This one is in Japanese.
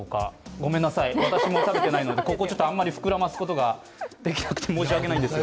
ごめんなさい、私も食べていないので、ここをあまり膨らますことができなくて申し訳ないんですが。